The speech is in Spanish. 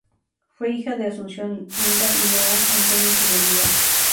Fue hija de Asunción Inda y León Antonio Zubeldía.